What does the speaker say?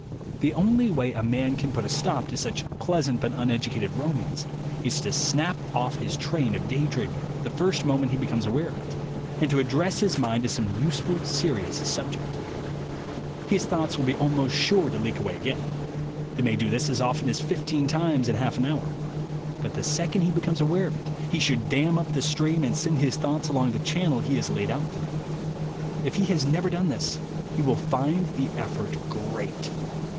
"The only way a man can put a stop to such pleasant but uneducative roamings, is to snap off his train of day dreaming the first moment he becomes aware of it, and to address his mind to some useful serious subject. His thoughts will be almost sure to leak away again. They may do this as often as fifteen times in half an hour. But the second he becomes aware of it, he should dam up the stream and send his thoughts along the channel he has laid out for them. If he has never done this, he will find the effort great.